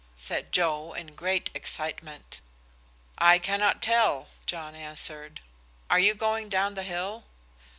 said Joe, in great excitement. "I cannot tell," John answered. "Are you going down the hill?"